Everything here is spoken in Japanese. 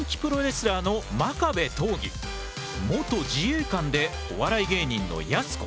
元自衛官でお笑い芸人のやす子。